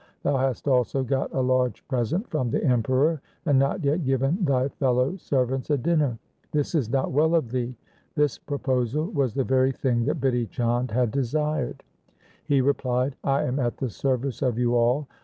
Thou hast also got a large present from the Emperor, and not yet given thy fellow servants a dinner. This is not well of thee.' This proposal was the very thing that Bidhi Chand had desired. He replied, ' I am at the service of you all.